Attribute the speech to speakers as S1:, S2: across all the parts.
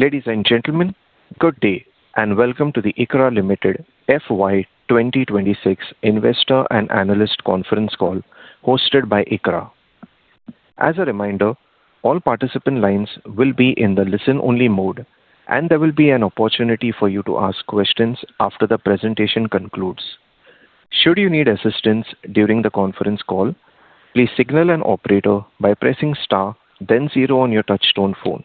S1: Ladies and gentlemen, good day, and welcome to the ICRA Limited FY 2026 Investor and Analyst Conference Call hosted by ICRA. As a reminder, all participant lines will be in the listen-only mode, and there will be an opportunity for you to ask questions after the presentation concludes. Should you need assistance during the conference call, please signal an operator by pressing star then zero on your touch-tone phone.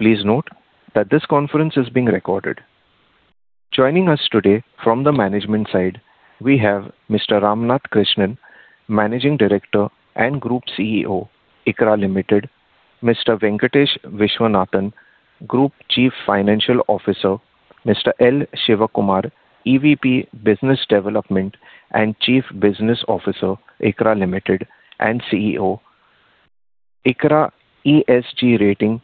S1: Please note that this conference is being recorded. Joining us today from the management side, we have Mr. Ramnath Krishnan, Managing Director and Group CEO, ICRA Limited, Mr. Venkatesh Viswanathan, Group Chief Financial Officer. Mr. L Shivakumar, EVP Business Development and Chief Business Officer, ICRA Limited and CEO, ICRA ESG Rating;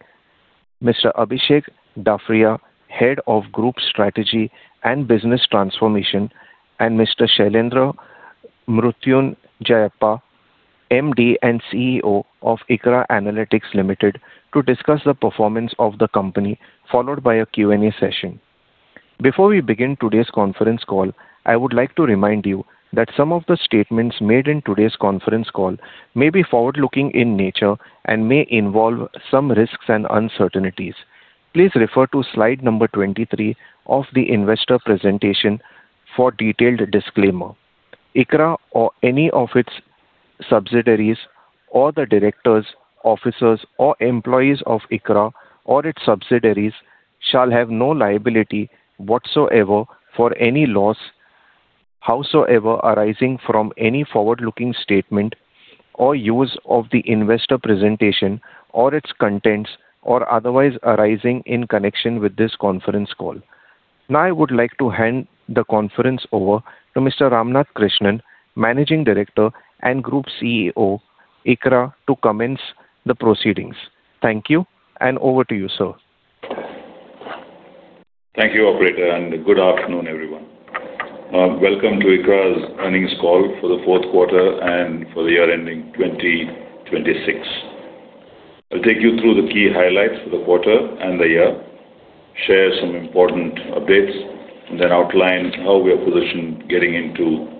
S1: Mr. Abhishek Dafria, Head of Group Strategy and Business Transformation; and Mr. Shailendra Mruthyunjayappa, MD and CEO of ICRA Analytics Limited, to discuss the performance of the company, followed by a Q&A session. Before we begin today's conference call, I would like to remind you that some of the statements made in today's conference call may be forward-looking in nature and may involve some risks and uncertainties. Please refer to slide 23 of the investor presentation for detailed disclaimer. ICRA or any of its subsidiaries or the Directors, Officers, or employees of ICRA or its subsidiaries shall have no liability whatsoever for any loss however arising from any forward-looking statement or use of the investor presentation or its contents, or otherwise arising in connection with this conference call. I would like to hand the conference over to Mr. Ramnath Krishnan, Managing Director and Group CEO, ICRA, to commence the proceedings. Thank you, and over to you, sir.
S2: Thank you, operator. Good afternoon, everyone. Welcome to ICRA's earnings call for the fourth quarter and for the year ending 2026. I'll take you through the key highlights for the quarter and the year, share some important updates, and then outline how we are positioned getting into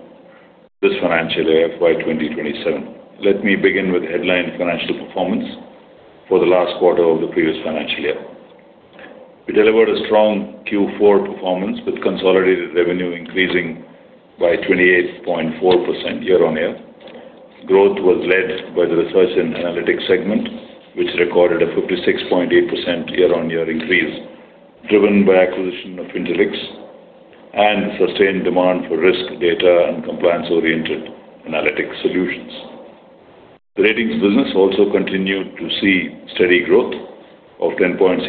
S2: this financial year, FY 2027. Let me begin with headline financial performance for the last quarter of the previous financial year. We delivered a strong Q4 performance with consolidated revenue increasing by 28.4% year-on-year. Growth was led by the Research and Analytics segment, which recorded a 56.8% year-on-year increase, driven by acquisition of Fintellix and sustained demand for risk, data, and compliance-oriented analytics solutions. Ratings business also continued to see steady growth of 10.6%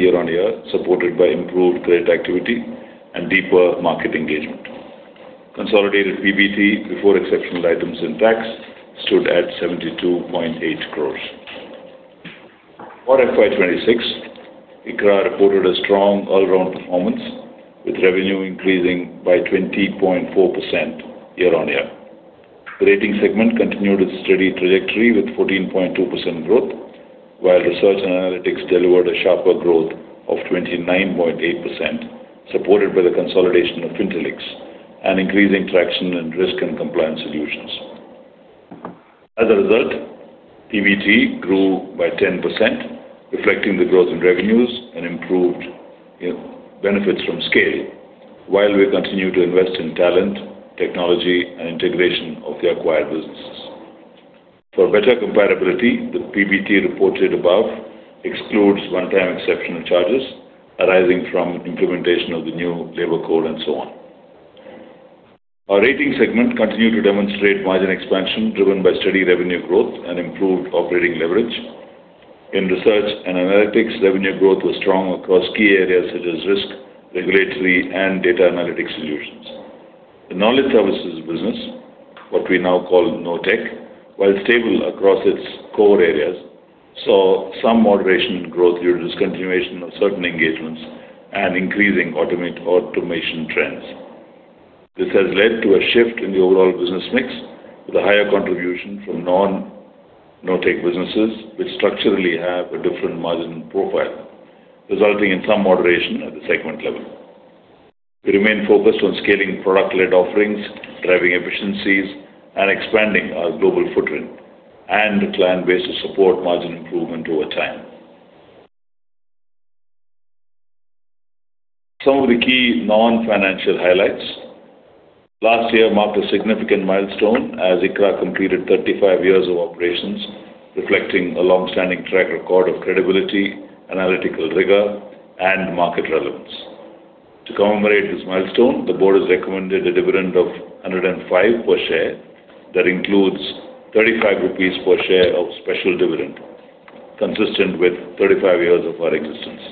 S2: year-on-year, supported by improved credit activity and deeper market engagement. Consolidated PBT before exceptional items and tax stood at 72.8 crore. For FY 2026, ICRA reported a strong all-round performance with revenue increasing by 20.4% year-on-year. The Rating segment continued its steady trajectory with 14.2% growth, while Research and Analytics delivered a sharper growth of 29.8%, supported by the consolidation of Fintellix and increasing traction in risk and compliance solutions. Other than that, PBT grew by 10%, reflecting the growth in revenues and improved benefits from scaling, while we continue to invest in talent, technology, and integration of the acquired businesses. For better comparability, the PBT reported above excludes one-time exceptional charges arising from implementation of the new labour codes and so on. Our Rating segment continued to demonstrate margin expansion driven by steady revenue growth and improved operating leverage. In Research and Analytics, revenue growth was strong across key areas such as risk, regulatory, and data analytics solutions. The knowledge services business, what we now call KnoTeq, while stable across its core areas, saw some moderation in growth due to discontinuation of certain engagements and increasing automation trends. This has led to a shift in the overall business mix with a higher contribution from non-Knowtech businesses, which structurally have a different margin profile, resulting in some moderation at the segment level. We remain focused on scaling product-led offerings, driving efficiencies, and expanding our global footprint and the plan ways to support margin improvement over time. Some of the key non-financial highlights. Last year marked a significant milestone as ICRA completed 35 years of operations, reflecting a longstanding track record of credibility, analytical rigor, and market relevance. To commemorate this milestone, the Board has recommended a dividend of 105 per share. That includes 35 rupees per share of special dividend, consistent with 35 years of our existence.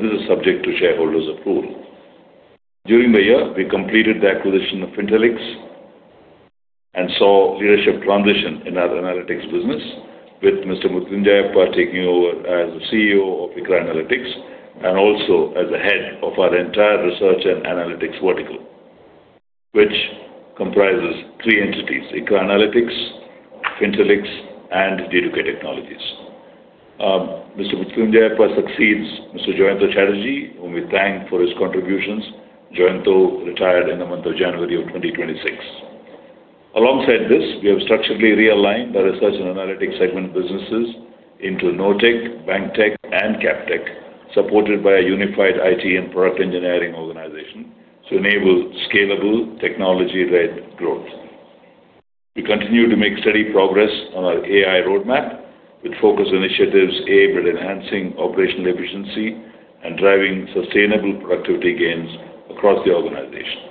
S2: This is subject to shareholders' approval. During the year, we completed the acquisition of Fintellix and saw leadership transition in our Analytics business with Mr. Mruthyunjayappa taking over as the CEO of ICRA Analytics and also as the Head of our entire Research and Analytics Vertical. Which comprises three entities, ICRA Analytics, Fintellix, and D2K Technologies. Mr. Mruthyunjayappa succeeds Mr. Jayanta Chatterjee, whom we thank for his contributions. Jayanta retired in the month of January of 2026. Alongside this, we have structurally realigned the research and analytics segment businesses into Knowtech, BankTeq, and CapTeq, supported by a unified IT and product engineering organization to enable scalable technology-led growth. We continue to make steady progress on our AI roadmap, with focus initiatives aimed at enhancing operational efficiency and driving sustainable productivity gains across the organization.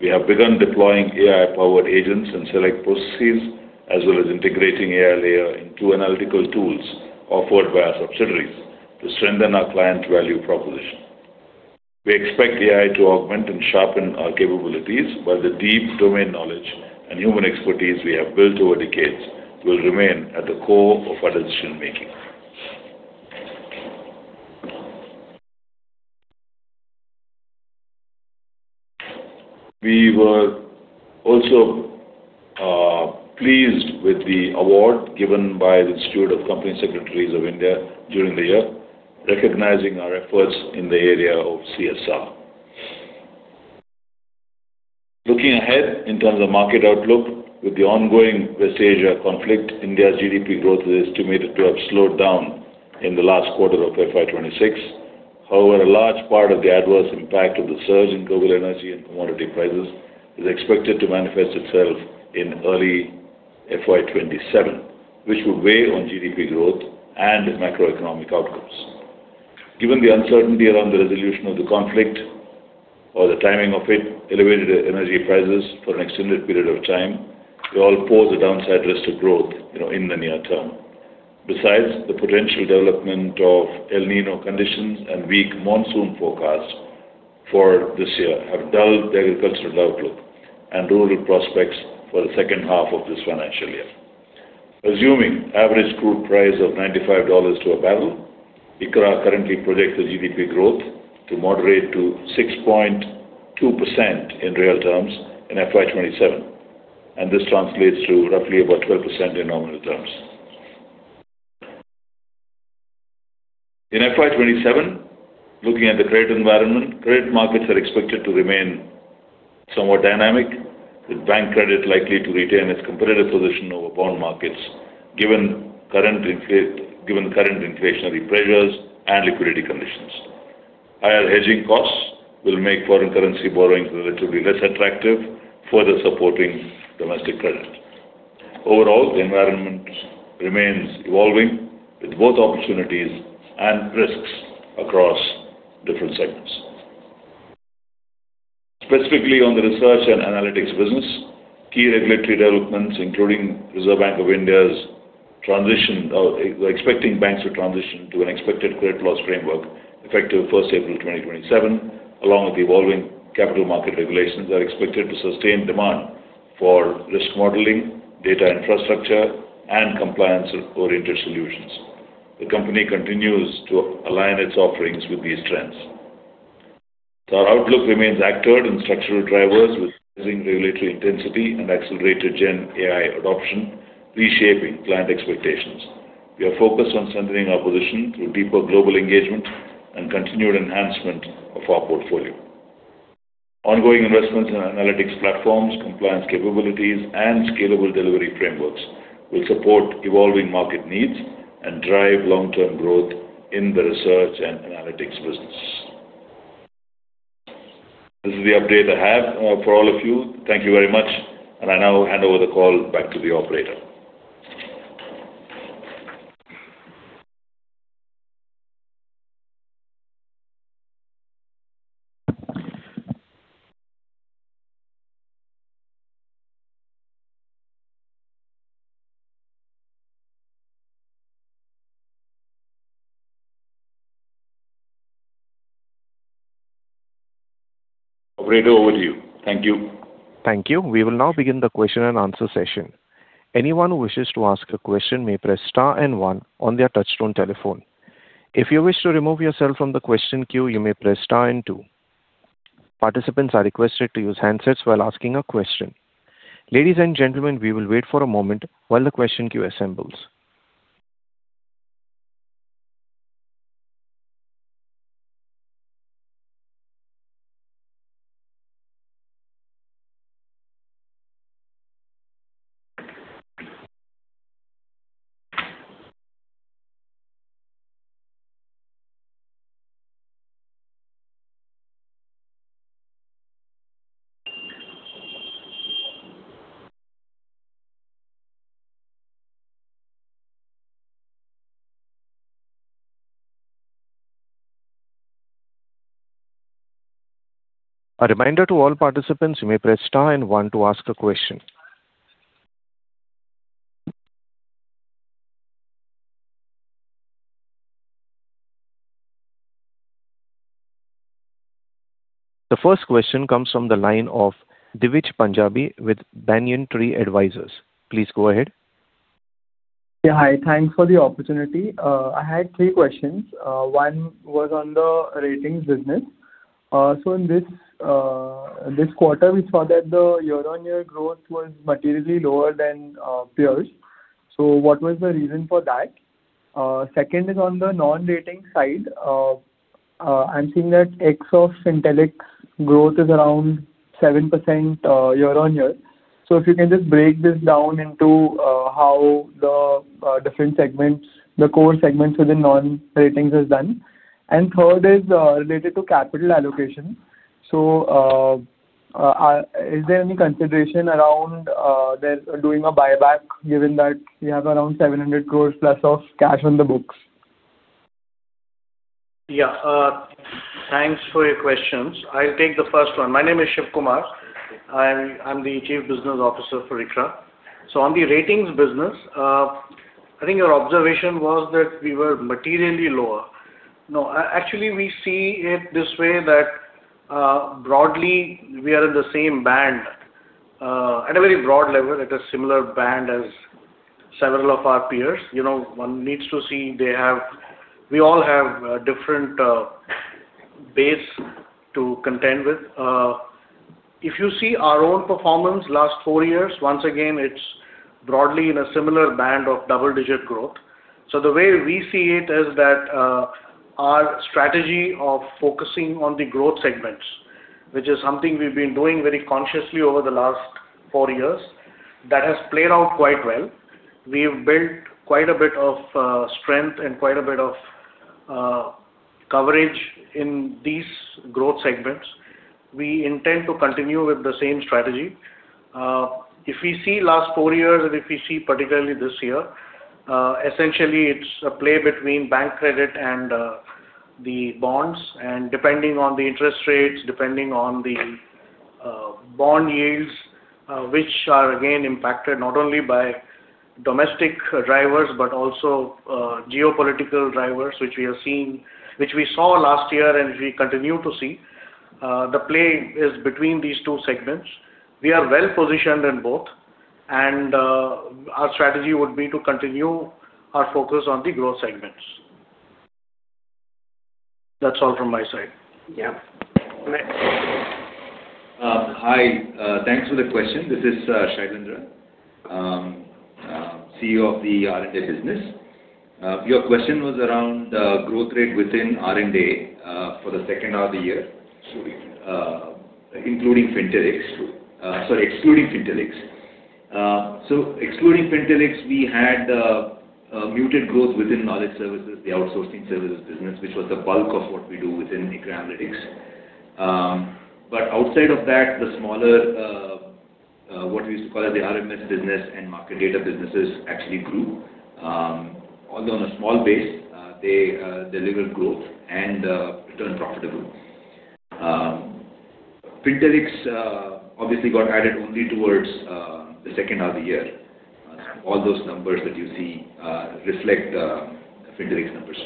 S2: We have begun deploying AI-powered agents in select processes, as well as integrating AI layer into analytical tools offered by our subsidiaries to strengthen our client value proposition. We expect AI to augment and sharpen our capabilities, while the deep domain knowledge and human expertise we have built over decades will remain at the core of our decision-making. We were also pleased with the award given by The Institute of Company Secretaries of India during the year, recognizing our efforts in the area of CSR. Looking ahead in terms of market outlook. With the ongoing West Asia conflict, India's GDP growth is estimated to have slowed down in the last quarter of FY 2026. A large part of the adverse impact of the surge in global energy and commodity prices is expected to manifest itself in early FY 2027, which will weigh on GDP growth and macroeconomic outcomes. Given the uncertainty around the resolution of the conflict or the timing of it, elevated energy prices for an extended period of time will all pose a downside risk to growth in the near term. Besides, the potential development of El Niño conditions and weak monsoon forecasts for this year have dulled the agricultural outlook and rural prospects for the second half of this financial year. Assuming average crude price of $95 to a barrel, ICRA currently projects GDP growth to moderate to 6.2% in real terms in FY 2027, and this translates to roughly about 12% in nominal terms. In FY 2027, looking at the credit environment, credit markets are expected to remain somewhat dynamic, with bank credit likely to retain its competitive position over bond markets given current inflationary pressures and liquidity conditions. Higher hedging costs will make foreign currency borrowings relatively less attractive, further supporting domestic credit. Overall, the environment remains evolving with both opportunities and risks across different segments. Specifically on the Research and Analytics business, key regulatory developments, including Reserve Bank of India's transition. We're expecting banks to transition to an expected credit loss framework effective April 1st, 2027, along with the evolving capital market regulations are expected to sustain demand for risk modeling, data infrastructure, and compliance-oriented solutions. The company continues to align its offerings with these trends. Our outlook remains anchored in structural drivers with rising regulatory intensity and accelerated GenAI adoption reshaping client expectations. We are focused on centering our position through deeper global engagement and continued enhancement of our portfolio. Ongoing investments in analytics platforms, compliance capabilities, and scalable delivery frameworks will support evolving market needs and drive long-term growth in the Research and Analytics business. This is the update I have for all of you. Thank you very much, and I now hand over the call back to the operator. Operator, over to you. Thank you.
S1: Thank you. We will now begin the question-and-answer session. Anyone who wishes to ask a question may press star and one on their touchtone telephone. If you wish to remove yourself from the question queue, you may press star and two. Participants are requested to use handsets while asking a question. Ladies and gentlemen, we will wait for a moment while the question queue assembles. A reminder to all participants, you may press star and one to ask a question. The first question comes from the line of Divij Punjabi with Banyan Tree Advisors. Please go ahead.
S3: Hi, thanks for the opportunity. I had three questions. One was on the ratings business. In this quarter, we saw that the year-on-year growth was materially lower than peers. What was the reason for that? Second is on the non-rating side. I'm seeing that ex of Fintellix growth is around 7% year-on-year. If you can just break this down into how the different segments, the core segments within non-ratings is done. Third is related to capital allocation. Is there any consideration around doing a buyback given that we have around 700 crore+ of cash on the books?
S4: Thanks for your questions. I will take the first one. My name is L Shivakumar. I am the Chief Business Officer for ICRA. On the ratings business, I think your observation was that we were materially lower. No, actually, we see it this way, that broadly we are in the same band, at a very broad level, at a similar band as several of our peers. One needs to see we all have different base to contend with. If you see our own performance last four years, once again, it is broadly in a similar band of double-digit growth. The way we see it is that our strategy of focusing on the growth segments, which is something we have been doing very consciously over the last four years, that has played out quite well. We have built quite a bit of strength and quite a bit of coverage in these growth segments. We intend to continue with the same strategy. If we see last four years and if we see particularly this year, essentially it's a play between bank credit and the bonds, depending on the interest rates, depending on the bond yields, which are again impacted not only by domestic drivers but also geopolitical drivers, which we saw last year and we continue to see. The play is between these two segments. We are well-positioned in both, and our strategy would be to continue our focus on the growth segments. That's all from my side.
S3: Yeah. Go ahead.
S5: Hi, thanks for the question. This is Shailendra CEO of the R&A business. Your question was around growth rate within R&A for the second half of the year.
S3: Excluding Fintellix.
S5: Sorry, excluding Fintellix. Excluding Fintellix, we had muted growth within knowledge services, the outsourcing services business, which was the bulk of what we do within ICRA Analytics. Outside of that, the smaller, what we used to call the RMS business and market data businesses actually grew. Although on a small base, they delivered growth and returned profitable. Fintellix obviously got added only towards the second half of the year. All those numbers that you see reflect the Fintellix numbers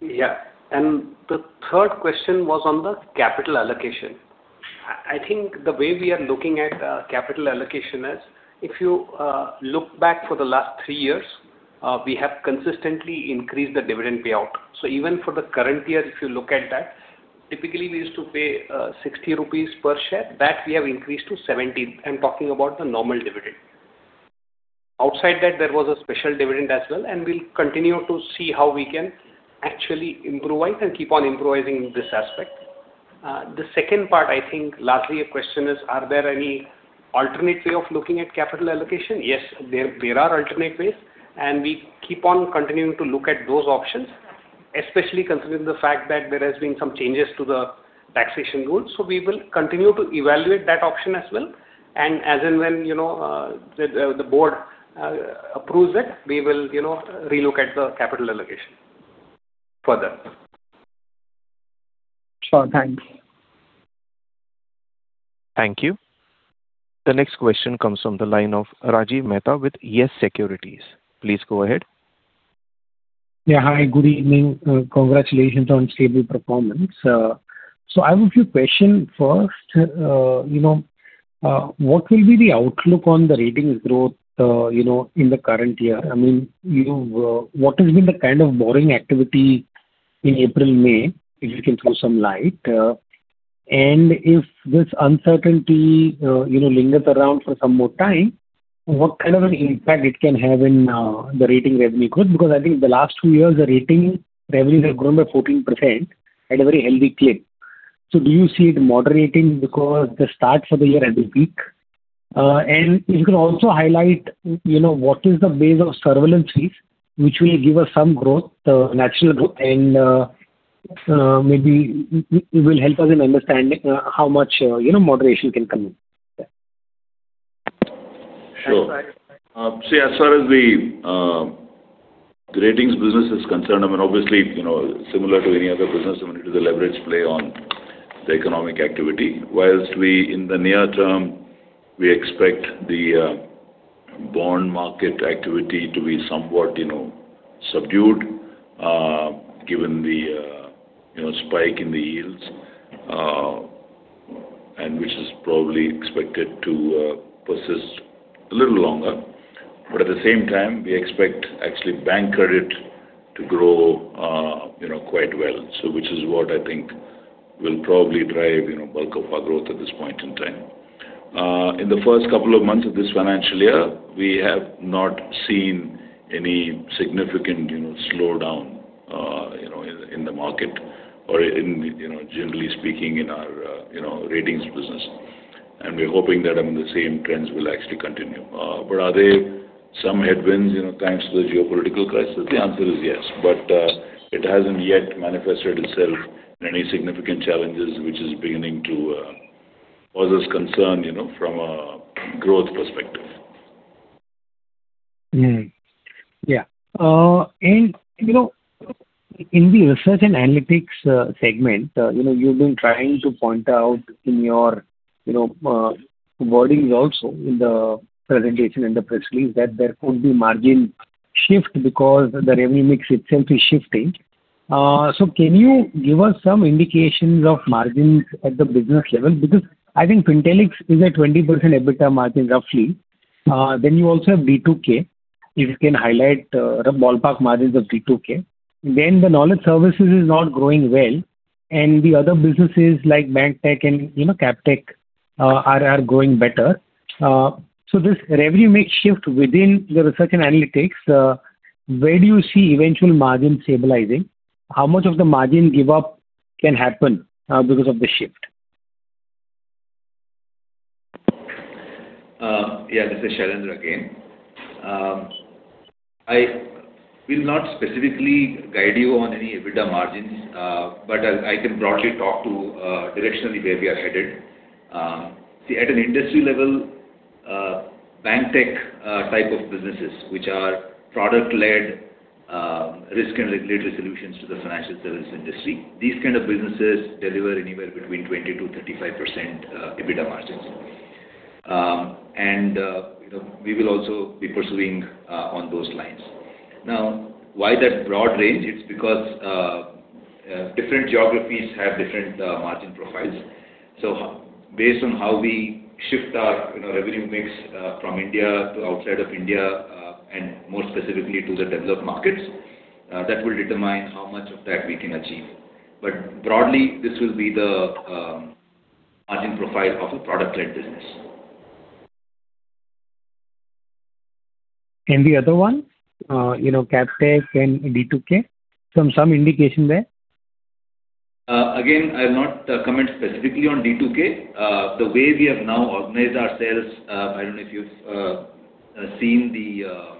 S5: too.
S6: Yeah. The third question was on the capital allocation. I think the way we are looking at capital allocation is if you look back for the last three years, we have consistently increased the dividend payout. Even for the current year, if you look at that, typically we used to pay 60 rupees per share, that we have increased to 70. I'm talking about the normal dividend. Outside that there was a special dividend as well, and we'll continue to see how we can actually improvise and keep on improvising in this aspect. The second part, I think, largely a question is, are there any alternate way of looking at capital allocation? Yes, there are alternate ways, and we keep on continuing to look at those options, especially considering the fact that there has been some changes to the taxation rules. We will continue to evaluate that option as well, and as and when the board approves it, we will relook at the capital allocation further.
S3: Sure. Thank you.
S1: Thank you. The next question comes from the line of Rajiv Mehta with YES Securities. Please go ahead.
S7: Yeah. Hi, good evening. Congratulations on stable performance. I have a few questions. First, what will be the outlook on the ratings growth in the current year? I mean, what has been the kind of borrowing activity in April, May? If you can throw some light. If this uncertainty lingers around for some more time, what kind of an impact it can have in the rating revenue growth? I think the last two years, the rating revenues have grown by 14% at a very healthy clip. Do you see it moderating because the starts of the year are weak? If you can also highlight what is the base of surveillance fees which will give us some growth, natural growth, and maybe it will help us in understanding how much moderation can come in.
S2: Sure. See, as far as the ratings business is concerned, I mean, obviously, similar to any other business, we do the leverage play on the economic activity. In the near term, we expect the bond market activity to be somewhat subdued, given the spike in the yields. Which is probably expected to persist a little longer. At the same time, we expect actually bank credit to grow quite well. Which is what I think will probably drive bulk of our growth at this point in time. In the first couple of months of this financial year, we have not seen any significant slowdown in the market or generally speaking in our ratings business. We're hoping that the same trends will actually continue. Are there some headwinds thanks to the geopolitical crisis? The answer is yes, but it hasn't yet manifested itself in any significant challenges, which is beginning to cause us concern from a growth perspective.
S7: Mm-hmm. Yeah. In the Research and Analytics segment, you've been trying to point out in your wordings also in the presentation and the press release that there could be margin shift because the revenue mix itself is shifting. Can you give us some indications of margins at the business level? I think Fintellix is at 20% EBITDA margin, roughly. You also have D2K. If you can highlight the ballpark margins of D2K. The Knowledge Services is not growing well, and the other businesses like BankTech and CapTech are growing better. This revenue mix shift within Research and Analytics, where do you see eventual margin stabilizing? How much of the margin give up can happen because of the shift?
S5: This is Shailendra again. I will not specifically guide you on any EBITDA margins, but I can broadly talk to directionally where we are headed. At an industry level, BankTech type of businesses, which are product-led risk and regulatory solutions to the financial services industry. These kind of businesses deliver anywhere between 20%-35% EBITDA margins. We will also be pursuing on those lines. Why that broad range? It's because different geographies have different margin profiles. Based on how we shift our revenue mix from India to outside of India, and more specifically to the developed markets, that will determine how much of that we can achieve. Broadly, this will be the margin profile of a product-led business.
S7: The other one, CapTech and D2K. Some indication there?
S5: Again, I'll not comment specifically on D2K. The way we have now organized ourselves, I don't know if you've seen the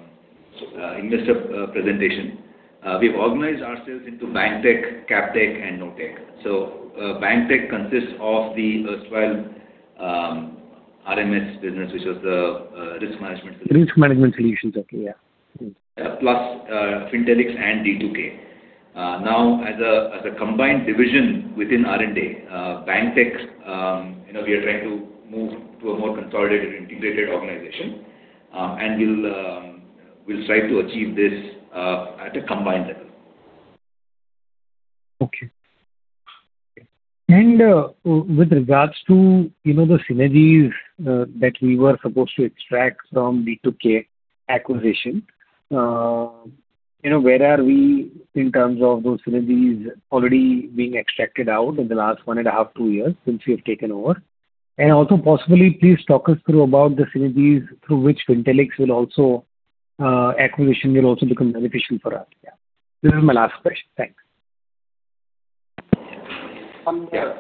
S5: investor presentation. We've organized ourselves into BankTech, CapTech, and NoTech. BankTech consists of the erstwhile RMS business, which is the risk management-
S7: Risk management solutions. Yeah.
S5: ...plus Fintellix and D2K. Now, as a combined division within R&A, BankTech, we are trying to move to a more consolidated, integrated organization, and we'll strive to achieve this at a combined level.
S7: Okay. With regards to the synergies that we were supposed to extract from D2K acquisition, where are we in terms of those synergies already being extracted out in the last one and a half, two years since we have taken over? Also possibly please talk us through about the synergies through which Fintellix acquisition will also become beneficial for us. Yeah. This is my last question. Thanks.
S5: Yeah.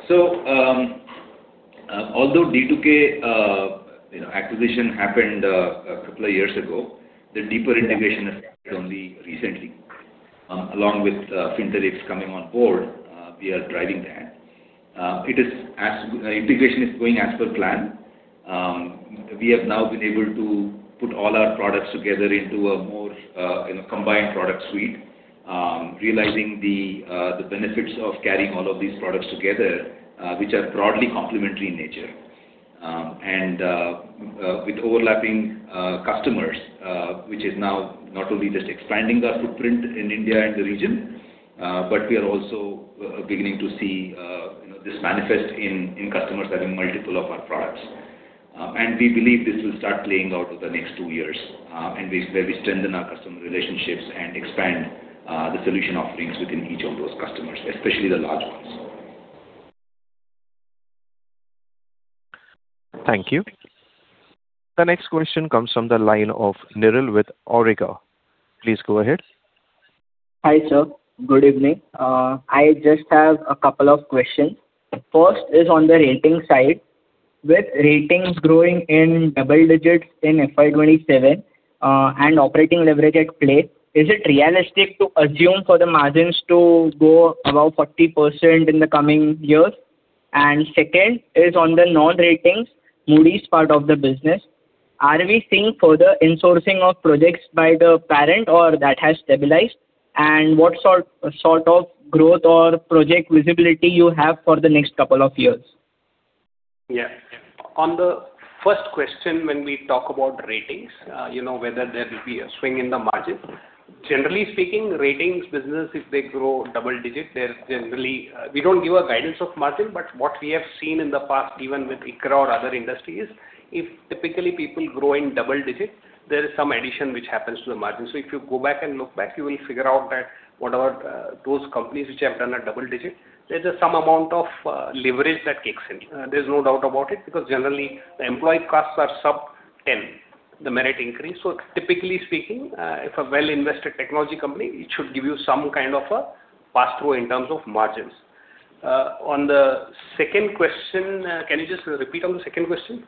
S5: Although D2K acquisition happened a couple of years ago, the deeper integration has happened only recently. Along with Fintellix coming on board, we are driving that. Integration is going as per plan. We have now been able to put all our products together into a more combined product suite, realizing the benefits of carrying all of these products together, which are broadly complementary in nature. With overlapping customers, which is now not only just expanding our footprint in India and the region, but we are also beginning to see this manifest in customers having multiple of our products. We believe this will start playing out over the next two years, where we strengthen our customer relationships and expand the solution offerings within each of those customers, especially the large ones.
S1: Thank you. The next question comes from the line of Niril with Awriga. Please go ahead.
S8: Hi, sir. Good evening. I just have a couple of questions. First is on the rating side. With ratings growing in double digits in FY 2027 and operating leverage at play, is it realistic to assume for the margins to go above 40% in the coming years? Second is on the non-ratings Moody's part of the business. Are we seeing further insourcing of projects by the parent or that has stabilized? What sort of growth or project visibility you have for the next couple of years?
S6: Yeah. On the first question, when we talk about ratings, whether there will be a swing in the margin. Generally speaking, ratings business, if they grow double digit, we don't give a guidance of margin. What we have seen in the past, even with ICRA or other industry, is if typically people grow in double digit, there is some addition which happens to the margin. If you go back and look back, you will figure out that whatever those companies which have done a double digit, there's some amount of leverage that kicks in. There's no doubt about it, because generally the employee costs are sub 10, the merit increase. Typically speaking, if a well-invested technology company, it should give you some kind of a pass-through in terms of margins. On the second question, can you just repeat on the second question?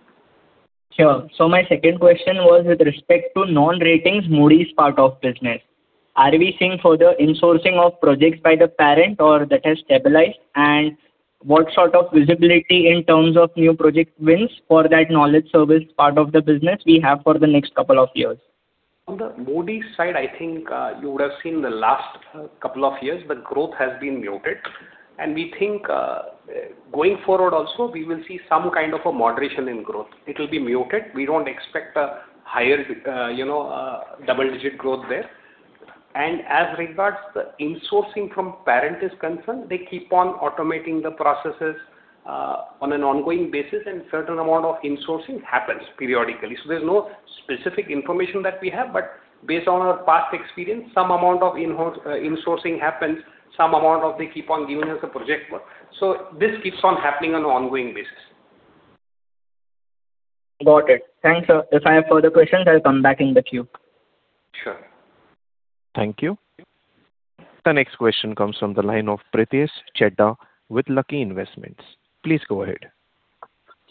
S8: Sure. My second question was with respect to non-ratings Moody's part of business. Are we seeing further insourcing of projects by the parent, or that has stabilized? What sort of visibility in terms of new project wins for that knowledge service part of the business we have for the next couple of years?
S6: On the Moody's side, I think you would have seen the last couple of years, the growth has been muted. We think going forward also we will see some kind of a moderation in growth. It will be muted. We don't expect a higher double-digit growth there. As regards the insourcing from parent is concerned, they keep on automating the processes on an ongoing basis, and certain amount of insourcing happens periodically. There's no specific information that we have, but based on our past experience, some amount of insourcing happens, some amount of they keep on giving us a project work. This keeps on happening on an ongoing basis.
S8: Got it. Thanks, sir. If I have further questions, I'll come back in the queue.
S6: Sure.
S1: Thank you. The next question comes from the line of Pritesh Chheda with Lucky Investments. Please go ahead.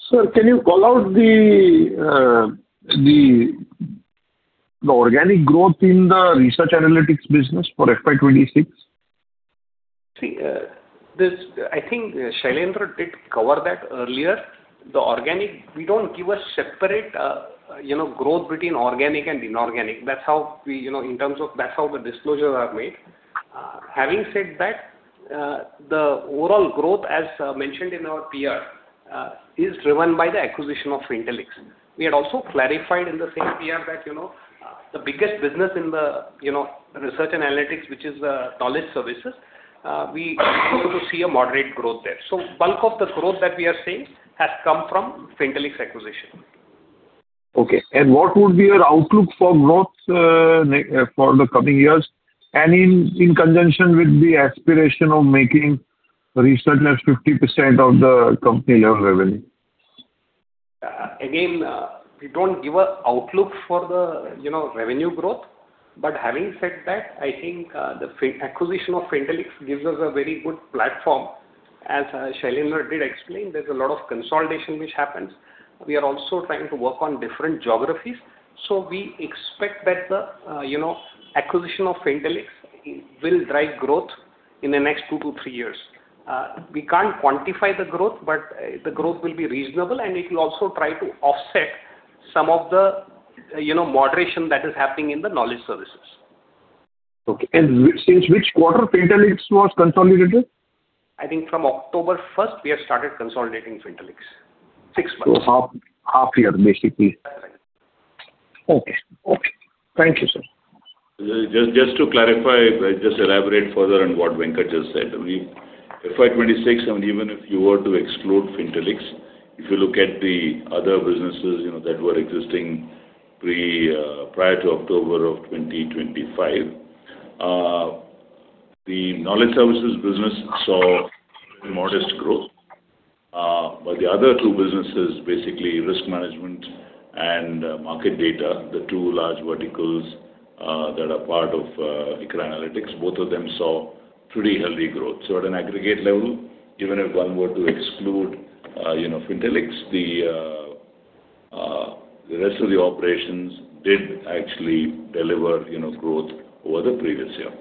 S9: Sir, can you call out the organic growth in the research analytics business for FY 2026?
S6: I think Shailendra did cover that earlier. The organic, we don't give a separate growth between organic and inorganic. That's how the disclosures are made. Having said that, the overall growth, as mentioned in our PR, is driven by the acquisition of Fintellix. We had also clarified in the same PR that the biggest business in the research and analytics, which is knowledge services, we continue to see a moderate growth there. Bulk of the growth that we are seeing has come from Fintellix acquisition.
S9: Okay. What would be your outlook for growth for the coming years and in conjunction with the aspiration of making R&A 50% of the company level revenue?
S6: Again, we don't give an outlook for the revenue growth. Having said that, I think the acquisition of Fintellix gives us a very good platform. As Shailendra did explain, there's a lot of consolidation which happens. We are also trying to work on different geographies. We expect that the acquisition of Fintellix will drive growth in the next two to three years. We can't quantify the growth, but the growth will be reasonable, and it will also try to offset some of the moderation that is happening in the knowledge services.
S9: Okay. Since which quarter Fintellix was consolidated?
S6: I think from October first we have started consolidating Fintellix. Six months.
S9: Half year, basically.
S6: Right.
S9: Okay. Thank you, sir.
S2: To clarify, just elaborate further on what Venkat just said. FY 2026, even if you were to exclude Fintellix, if you look at the other businesses that were existing prior to October of 2025, Knowledge Services business saw modest growth. The other two businesses, basically risk management and market data, the two large verticals that are part of ICRA Analytics, both of them saw pretty healthy growth. At an aggregate level, even if one were to exclude Fintellix, the rest of the operations did actually deliver growth over the previous year.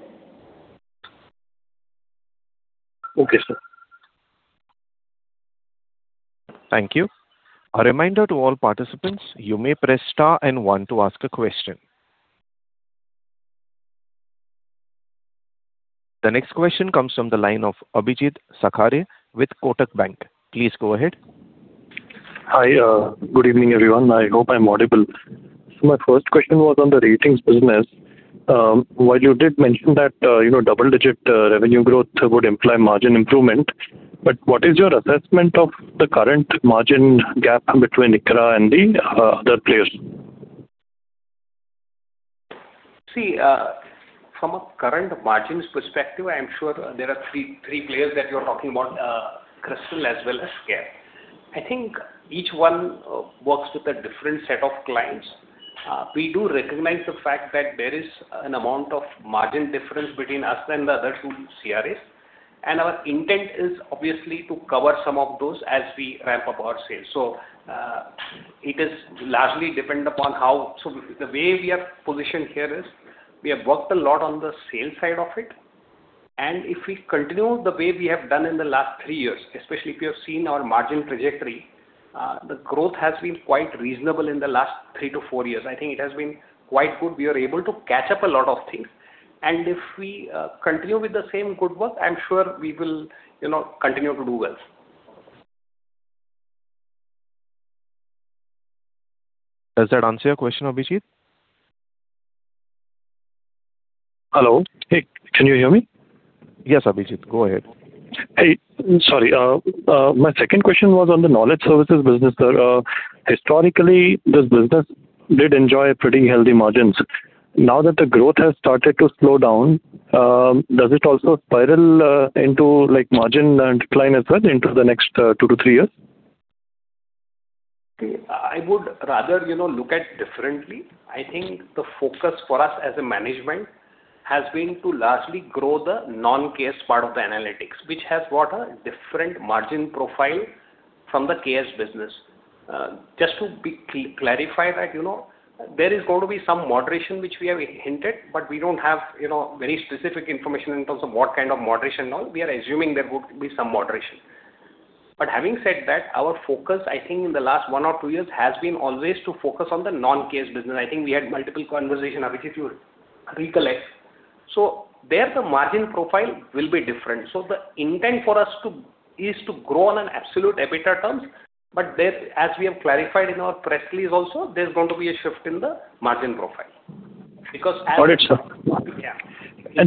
S9: Okay, sir.
S1: Thank you. A reminder to all participants, you may press star and one to ask a question. The next question comes from the line of Abhijeet Sakhare with Kotak Bank. Please go ahead.
S10: Hi. Good evening, everyone. I hope I'm audible. My first question was on the ratings business. While you did mention that double-digit revenue growth would imply margin improvement, what is your assessment of the current margin gap between ICRA and the other players?
S6: From a current margins perspective, I'm sure there are three players that you're talking about, CRISIL as well as CARE. I think each one works with a different set of clients. We do recognize the fact that there is an amount of margin difference between us and the other two CRAs. Our intent is obviously to cover some of those as we ramp up our sales. The way we are positioned here is we have worked a lot on the sales side of it, and if we continue the way we have done in the last three years, especially if you have seen our margin trajectory, the growth has been quite reasonable in the last three to four years. I think it has been quite good. We are able to catch up a lot of things. If we continue with the same good work, I'm sure we will continue to do well.
S1: Does that answer your question, Abhijeet? Hello?
S10: Hey, can you hear me?
S2: Yes, Abhijeet, go ahead.
S10: Hey, sorry. My second question was on the knowledge services business. Historically, this business did enjoy pretty healthy margins. Now that the growth has started to slow down, does it also spiral into margin decline as well into the next two to three years?
S6: I would rather look at it differently. I think the focus for us as a management has been to largely grow the non-KS part of the analytics, which has got a different margin profile from the KS business. Just to clarify that, there is going to be some moderation, which we have hinted, but we don't have very specific information in terms of what kind of moderation. We are assuming there would be some moderation. Having said that, our focus, I think, in the last one or two years, has been always to focus on the non-KS business. I think we had multiple conversations, Abhijeet, you would recollect. There, the margin profile will be different. The intent for us is to grow on an absolute EBITDA terms, as we have clarified in our press release also, there's going to be a shift in the margin profile. Because-
S10: Got it, sir.
S6: Yeah.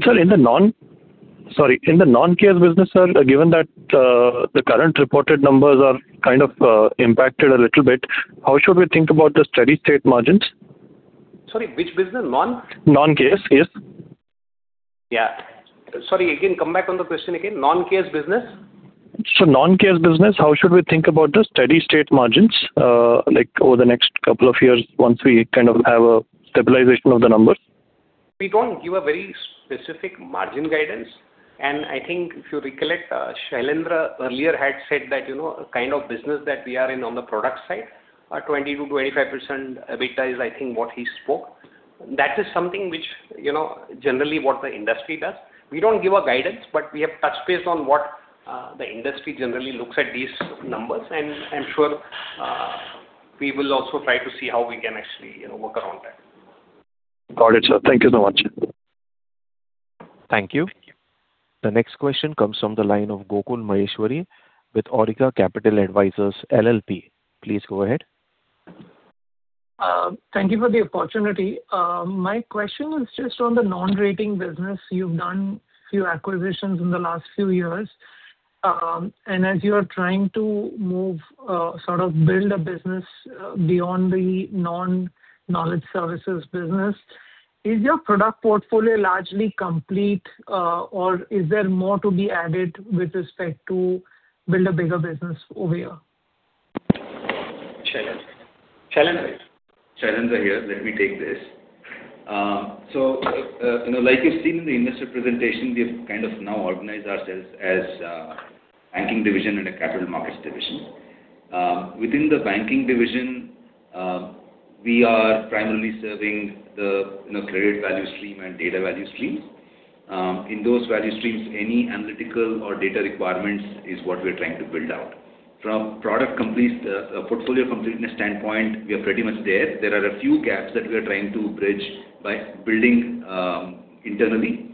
S10: Sir, in the non-KS business, given that the current reported numbers are impacted a little bit, how should we think about the steady-state margins?
S6: Sorry, which business? Non?
S10: Non-KS.
S6: Yes. Yeah. Sorry, again, come back on the question again. Non-KS business?
S10: Non-KS business, how should we think about the steady-state margins, like over the next couple of years once we have a stabilization of the numbers?
S6: We don't give a very specific margin guidance, and I think if you recollect, Shailendra earlier had said that the kind of business that we are in on the product side, 20%-25% EBITDA is I think what he spoke. That is something which generally what the industry does. We don't give a guidance, but we have touched base on what the industry generally looks at these numbers, and I'm sure we will also try to see how we can actually work around that.
S10: Got it, sir. Thank you so much.
S1: Thank you. The next question comes from the line of Gokul Maheshwari with Awriga Capital Advisors LLP. Please go ahead.
S11: Thank you for the opportunity. My question was just on the non-rating business. You've done a few acquisitions in the last few years. As you're trying to sort of build a business beyond the non-knowledge services business, is your product portfolio largely complete, or is there more to be added with respect to build a bigger business over here?
S5: Shailendra is here. Let me take this. Like you've seen in the investor presentation, we've now organized ourselves as a banking division and a capital markets division. Within the banking division, we are primarily serving the credit value stream and data value streams. In those value streams, any analytical or data requirements is what we're trying to build out. From a portfolio completeness standpoint, we are pretty much there. There are a few gaps that we are trying to bridge by building internally.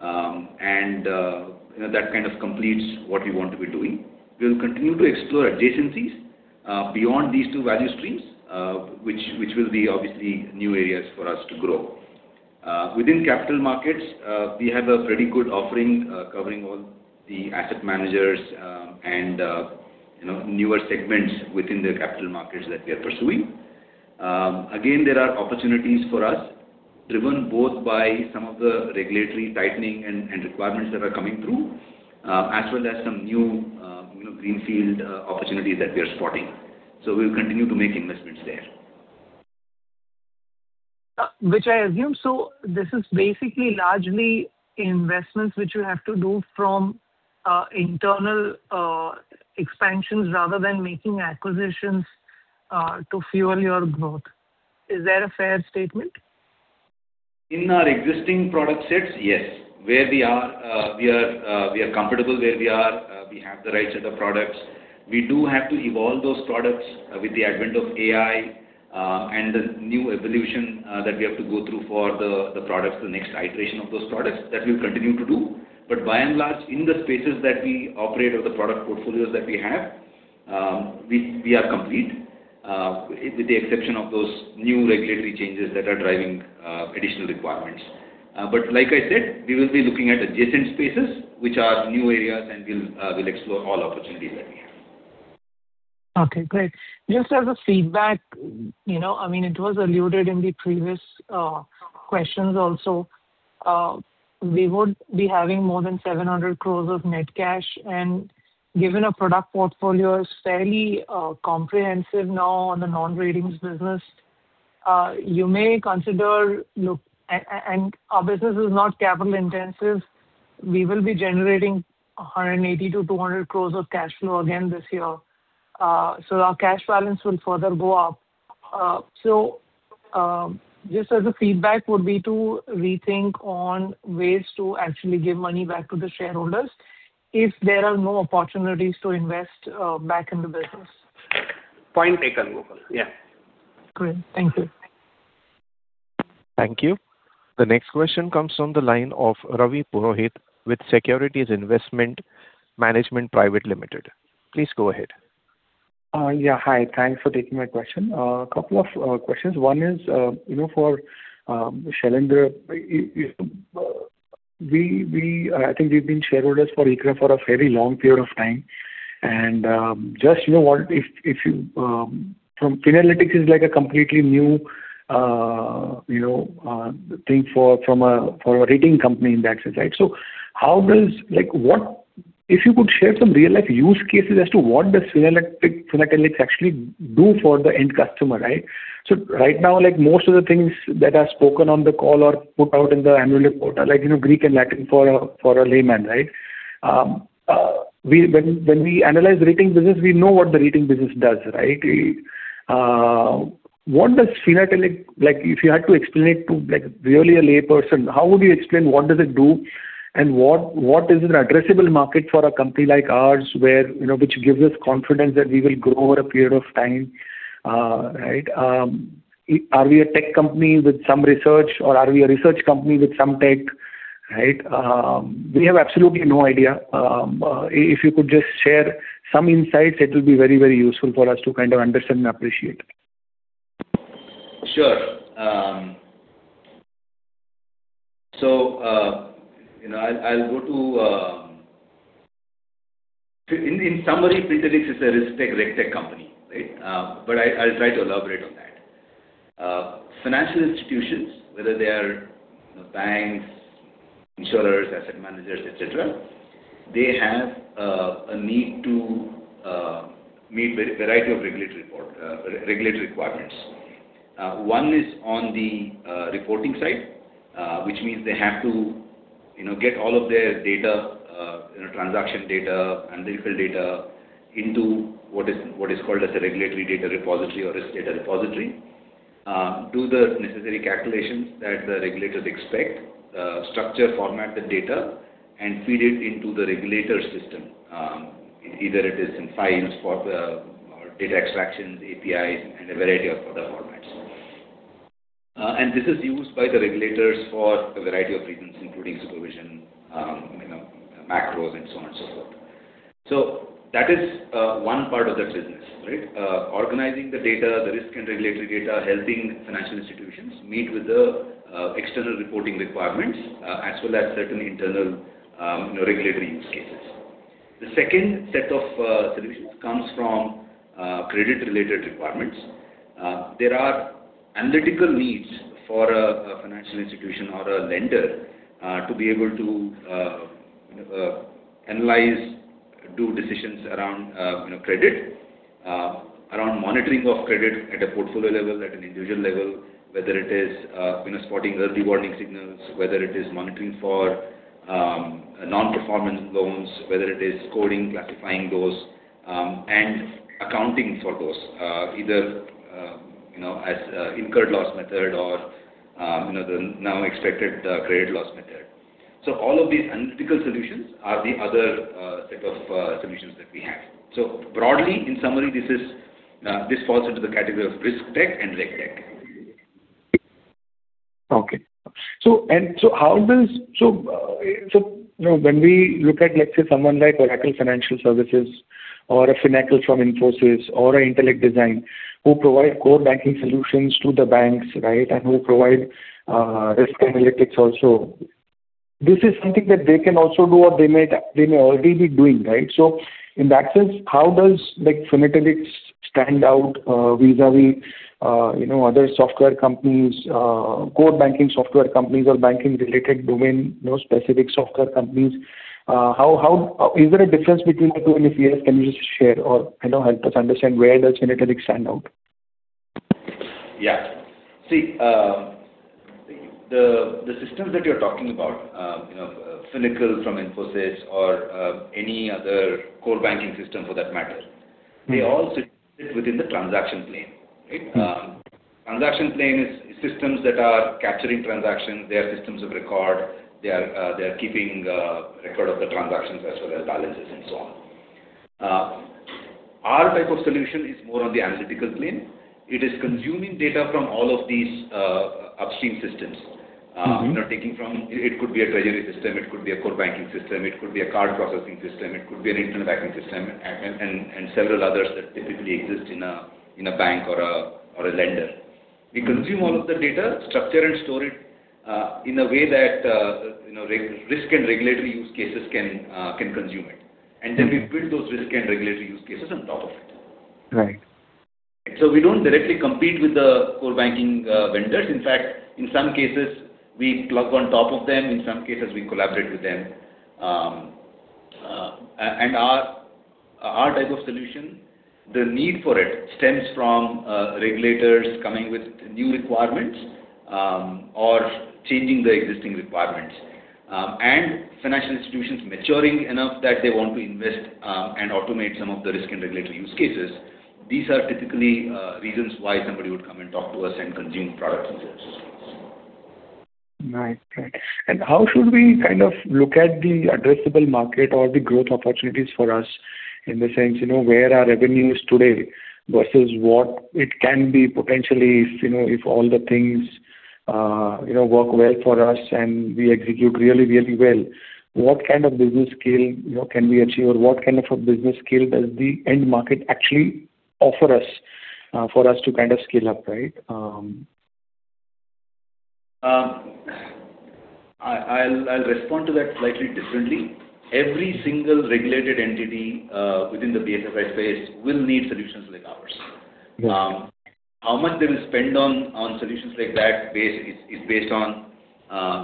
S5: That kind of completes what we want to be doing. We'll continue to explore adjacencies beyond these two value streams, which will be obviously new areas for us to grow. Within capital markets, we have a very good offering covering all the asset managers and newer segments within the capital markets that we are pursuing. There are opportunities for us, driven both by some of the regulatory tightening and requirements that are coming through, as well as some new greenfield opportunities that we are spotting. We'll continue to make investments there.
S11: Which I assume, so this is basically largely investments which you have to do from internal expansions rather than making acquisitions to fuel your growth. Is that a fair statement?
S5: In our existing product sets, yes. Where we are, we are comfortable where we are. We have the right set of products. We do have to evolve those products with the advent of AI and the new evolution that we have to go through for the products, the next iteration of those products that we continue to do. By and large, in the spaces that we operate or the product portfolios that we have, we are complete, with the exception of those new regulatory changes that are driving additional requirements. Like I said, we will be looking at adjacent spaces, which are new areas, and we'll explore all opportunities there.
S11: Okay, great. Just as a feedback, it was alluded in the previous questions also, we would be having more than 700 crore of net cash. Given our product portfolio is fairly comprehensive now on the non-ratings business, you may consider-- Our business is not capital-intensive. We will be generating 180 crore-200 crore of cash flow again this year. Our cash balance will further go up. Just as a feedback would be to rethink on ways to actually give money back to the shareholders if there are no opportunities to invest back in the business.
S6: Point taken, Gokul. Yeah.
S11: Great. Thank you.
S1: Thank you. The next question comes from the line of Ravi Purohit with Securities Investment Management Private Limited. Please go ahead.
S12: Yeah. Hi. Thanks for taking my question. A couple of questions. One is, for Shailendra, I think we've been shareholders for ICRA for a very long period of time. ICRA Analytics is a completely new thing for a rating company, in that sense. If you could share some real-life use cases as to what does ICRA Analytics actually do for the end customer. Right now, most of the things that are spoken on the call are put out in the annual report are like Greek and Latin for a layman. When we analyze the rating business, we know what the rating business does. If you had to explain it to really a layperson, how would you explain what does it do, and what is an addressable market for a company like ours which gives us confidence that we will grow over a period of time? Are we a tech company with some research, or are we a research company with some tech? We have absolutely no idea. If you could just share some insights, it will be very useful for us to understand and appreciate.
S5: Sure. In summary, Fintellix is a risk-tech, reg-tech company. I'll try to elaborate on that. Financial institutions, whether they are banks, insurers, asset managers, etc, they have a need to meet a variety of regulatory requirements. One is on the reporting side, which means they have to get all of their data, transaction data, analytical data, into what is called as a regulatory data repository or a data repository, do the necessary calculations that the regulators expect, structure format the data, and feed it into the regulator system. Either it is in files for the data extractions, APIs, and a variety of other formats. This is used by the regulators for a variety of reasons, including supervision, macros, and so on and so forth. That is one part of the business. Organizing the data, the risk and regulatory data, helping financial institutions meet with the external reporting requirements, as well as certain internal regulatory use cases. The second set of solutions comes from credit-related requirements. There are analytical needs for a financial institution or a lender to be able to analyze, do decisions around credit, around monitoring of credit at a portfolio level, at an individual level. Whether it is spotting early warning signals, whether it is monitoring for non-performance loans, whether it is coding, classifying those, and accounting for those. Either as incurred loss method or the now expected credit loss method. All of these analytical solutions are the other type of solutions that we have. Broadly, in summary, this falls into the category of risk-tech and reg-tech.
S12: Okay. When we look at, let's say, someone like Oracle Financial Services or a Finacle from Infosys or a Intellect Design, who provide core banking solutions to the banks, and who provide risk analytics also, this is something that they can also do or they may already be doing. In that sense, how does Fintellix stand out vis-à-vis other software companies, core banking software companies or banking-related domain-specific software companies? Is there a difference between the two? If yes, can you just share or help us understand where does Fintellix stand out?
S5: Yeah. See, the systems that you're talking about, Finacle from Infosys or any other core banking system for that matter, they all sit within the transaction plane. Transaction plane is systems that are capturing transactions, they are systems of record, they are keeping record of the transactions as well as balances and so on. Our type of solution is more of the analytical plane. It is consuming data from all of these upstream systems. It could be a treasury system, it could be a core banking system, it could be a card processing system, it could be an internal banking system, and several others that typically exist in a bank or a lender. We consume all of the data, structure and store it in a way that risk and regulatory use cases can consume it. We build those risk and regulatory use cases on top of it.
S12: Right.
S5: We don't directly compete with the core banking vendors. In fact, in some cases, we plug on top of them, in some cases, we collaborate with them. Our type of solution, the need for it stems from regulators coming with new requirements or changing the existing requirements, and financial institutions maturing enough that they want to invest and automate some of the risk and regulatory use cases. These are typically reasons why somebody would come and talk to us and consume products with us.
S12: Right. How should we look at the addressable market or the growth opportunities for us in the sense, where our revenue is today versus what it can be potentially if all the things work well for us and we execute really, really well. What kind of business scale can we achieve or what kind of a business scale does the end market actually offer us for us to scale up, right?
S5: I'll respond to that slightly differently. Every single regulated entity within the BFSI space will need solutions like ours.
S12: Yeah.
S5: How much they will spend on solutions like that is based on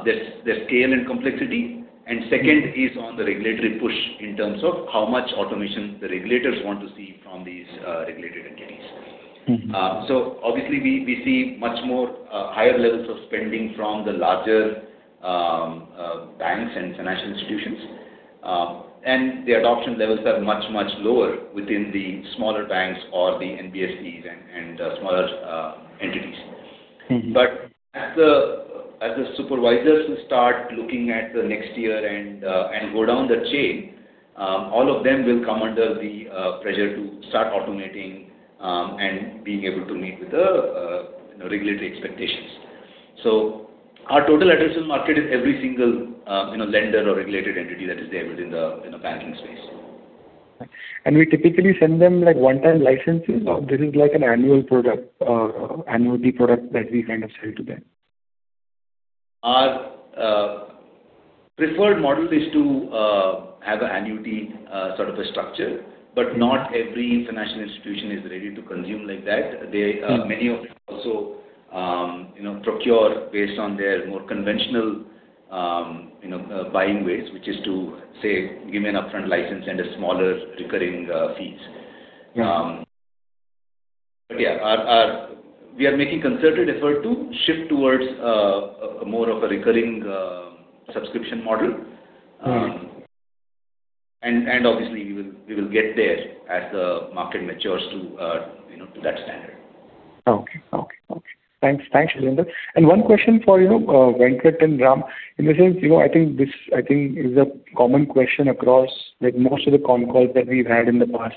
S5: their scale and complexity, and second is on the regulatory push in terms of how much automation the regulators want to see from these regulated entities. Obviously, we see much more higher levels of spending from the larger banks and financial institutions. The adoption levels are much, much lower within the smaller banks or the NBFCs and smaller entities. As the supervisors who start looking at the next year and go down the chain, all of them will come under the pressure to start automating and being able to meet with the regulatory expectations. Our total addressable market is every single lender or regulated entity that is there within the banking space.
S12: We typically send them that one-time license fee or this is like an annual product, or annuity product that we sell to them.
S5: Our preferred model is to have an annuity sort of a structure, but not every financial institution is ready to consume like that. Many of them also procure based on their more conventional buying ways, which is to, say, give an upfront license and a smaller recurring fees.
S12: Yeah.
S5: Yeah, we are making a concerted effort to shift towards more of a recurring subscription model. Obviously, we will get there as the market matures to that standard.
S12: Okay. Thanks, Shailendra. One question for Venkat and Ram. I think this is a common question across most of the con calls that we've had in the past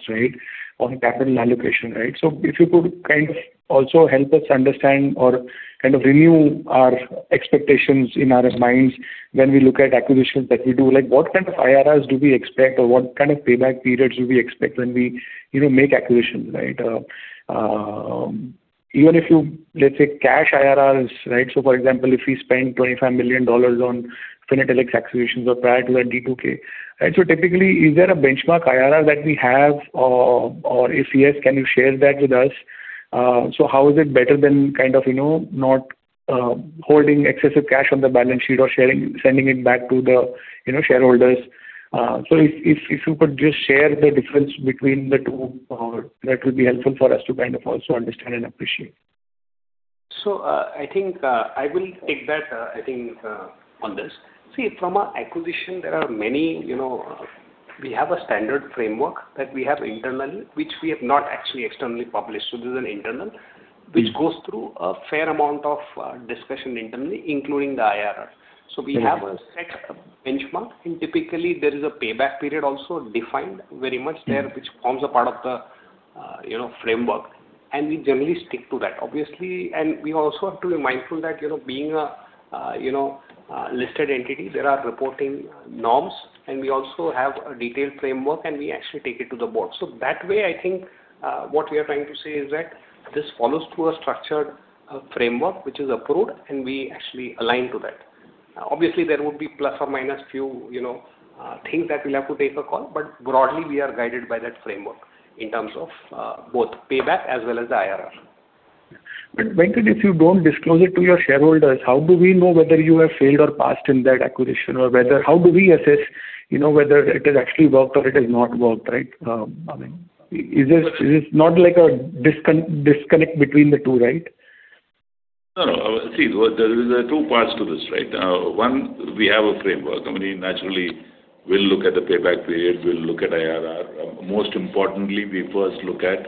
S12: on capital allocation. If you could also help us understand or renew our expectations in our minds when we look at acquisitions that we do. What kind of IRRs do we expect or what kind of payback periods do we expect when we make acquisitions? Even if you, let's say, cash IRRs. For example, if we spend $25 million on Fintellix acquisitions or prior to that D2K. Typically, is there a benchmark IRR that we have or if yes, can you share that with us? How is it better than not holding excessive cash on the balance sheet or sending it back to the shareholders? If you could just share the difference between the two, that would be helpful for us to also understand and appreciate.
S6: I think I will take that on this. From an acquisition, we have a standard framework that we have internally, which we have not actually externally published. This is internal, which goes through a fair amount of discussion internally, including the IRR. We have a set benchmark, and typically there is a payback period also defined very much there, which forms a part of the framework. We generally stick to that. Obviously, we also have to be mindful that being a listed entity, there are reporting norms, and we also have a detailed framework, and we actually take it to the board. That way, I think what we are trying to say is that this follows through a structured framework which is approved, and we actually align to that. Obviously, there would be ± few things that we'll have to take a call, but broadly, we are guided by that framework in terms of both payback as well as the IRR.
S12: Venkat, if you don't disclose it to your shareholders, how do we know whether you have failed or passed in that acquisition? Or how do we assess whether it has actually worked or it has not worked? Is this not like a disconnect between the two?
S2: There are two parts to this. We have a framework. Naturally, we'll look at the payback period, we'll look at IRR. Most importantly, we first look at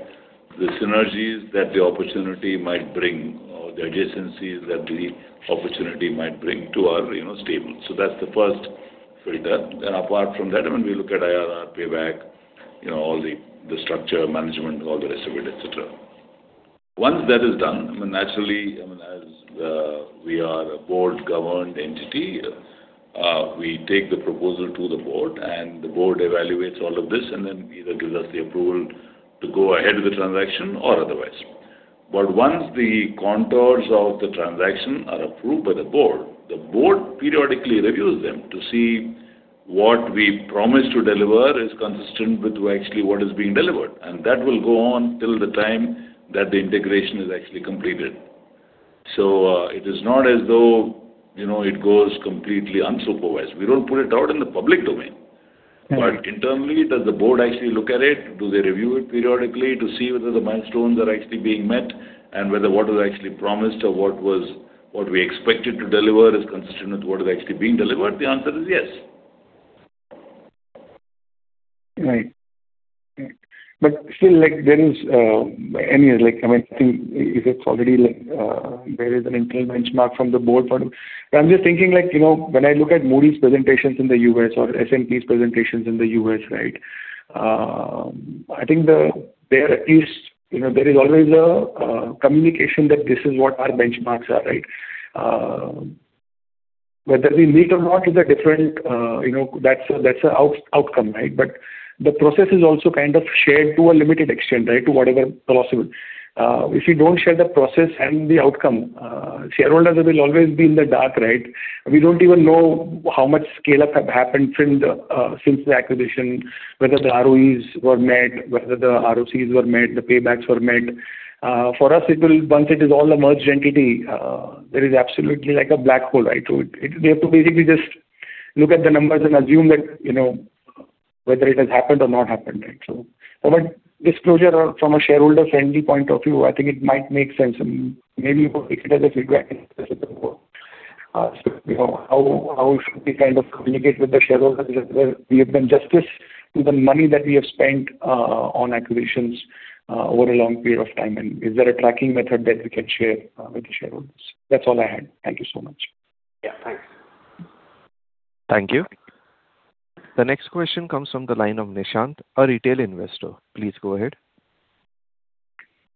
S2: the synergies that the opportunity might bring or the adjacencies that the opportunity might bring to our stable. That's the first filter. Apart from that, we look at IRR, payback, all the structure, management, all the rest of it, etc. Once that is done, naturally, as we are a Board-governed entity, we take the proposal to the Board, and the Board evaluates all of this, and then either gives us the approval to go ahead with the transaction or otherwise. Once the contours of the transaction are approved by the board, the board periodically reviews them to see what we promise to deliver is consistent with actually what is being delivered. That will go on till the time that the integration is actually completed. It is not as though it goes completely unsupervised. We don't put it out in the public domain. Internally, does the Board actually look at it? Do they review it periodically to see whether the milestones are actually being met and whether what was actually promised or what we expected to deliver is consistent with what is actually being delivered? The answer is yes.
S12: Right. Still, there is an internal benchmark from the Board. I'm just thinking, when I look at Moody's presentations in the U.S. or S&P's presentations in the U.S., I think there is always a communication that this is what our benchmarks are. Whether we meet or not is a different outcome. The process is also kind of shared to a limited extent, to whatever possible. If you don't share the process and the outcome, shareholders will always be in the dark. We don't even know how much scale-up have happened since the acquisition, whether the ROEs were met, whether the ROCs were met, the paybacks were met. For us, once it is all a merged entity, there is absolutely a black hole. We have to basically just look at the numbers and assume whether it has happened or not happened. Disclosure from a shareholder-friendly point of view, I think it might make sense and maybe we'll take it as a feedback how should we communicate with the shareholders that we have done justice to the money that we have spent on acquisitions over a long period of time? Is there a tracking method that we can share with the shareholders? That's all I had. Thank you so much.
S6: Yeah. Thanks.
S1: Thank you. The next question comes from the line of Nishant, a retail investor. Please go ahead.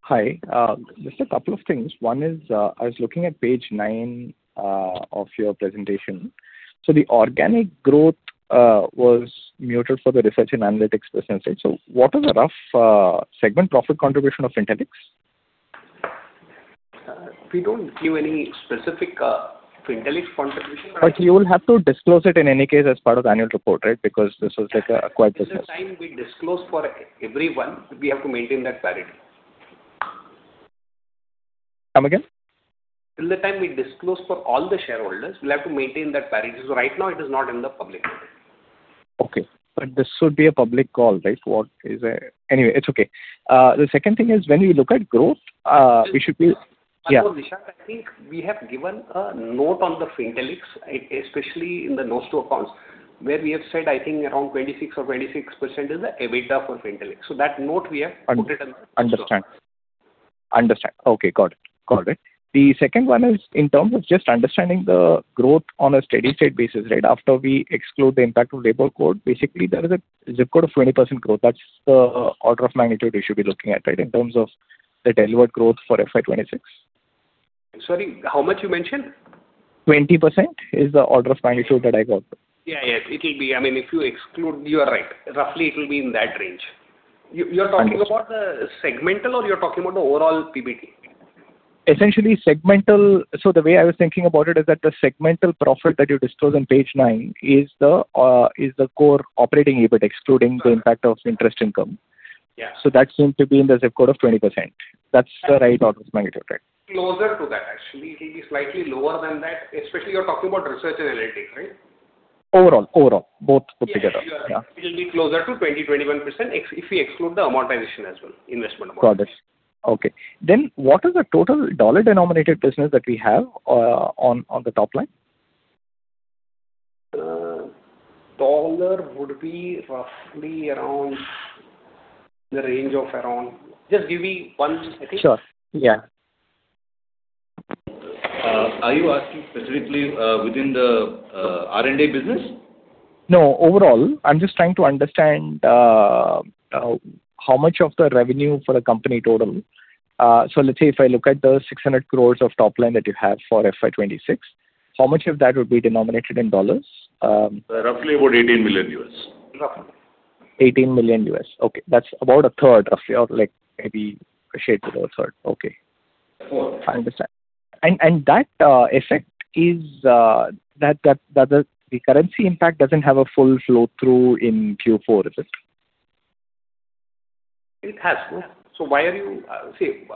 S13: Hi. Just a couple of things. One is, I was looking at page nine of your presentation. The organic growth was muted for the Research and Analytics business. What is a rough segment profit contribution of Fintellix?
S6: We don't give any specific Fintellix contribution.
S13: You will have to disclose it in any case as part of annual report, right? Because this was like an acquired business.
S6: Till the time we disclose for everyone, we have to maintain that parity.
S13: Come again.
S6: Till the time we disclose for all the shareholders, we'll have to maintain that parity. Right now it is not in the public domain.
S13: Okay. This should be a public call. Anyway, it's okay. The second thing is, when we look at growth.
S6: Nishant, I think we have given a note on the Fintellix, especially in the notes to accounts, where we have said, I think around 26% is the EBITDA for Fintellix. That note we have put it in the disclosure.
S13: Understand. Okay, got it. The second one is in terms of just understanding the growth on a steady state basis. After we exclude the impact of labor code, basically there is a zip code of 20% growth. That's the order of magnitude we should be looking at, in terms of the tenfold growth for FY 2026.
S6: Sorry, how much you mentioned?
S13: 20% is the order of magnitude that I got.
S6: Yeah. You are right. Roughly it will be in that range. You're talking about the segmental or you're talking about the overall PBT?
S13: Essentially segmental. The way I was thinking about it is that the segmental profit that you disclose on page nine is the core operating EBIT excluding the impact of interest income.
S6: Yeah.
S13: That seems to be in the zip code of 20%. That's the right order of magnitude, right?
S6: Closer to that, actually. It will be slightly lower than that, especially you're talking about Research and Analytics, right?
S13: Overall. Both put together.
S6: Yeah, you are right. It will be closer to 20%, 21% if we exclude the amortization as well, investment amortization.
S13: Got it. Okay. What is the total dollar-denominated business that we have on the top line?
S6: Dollar would be roughly around the range of around. Just give me one minute, I think.
S13: Sure. Yeah.
S2: Are you asking specifically within the R&A business?
S13: No, overall. I'm just trying to understand how much of the revenue for the company total. If I look at the 600 crore of top line that you have for FY 2026, how much of that would be denominated in dollars?
S2: Roughly about $18 million.
S13: $18 million. Okay. That's about a third of your, maybe a shade below a third. Okay.
S2: Close.
S13: I understand. That effect is that the currency impact doesn't have a full flow-through in Q4, is it?
S6: It has. Say.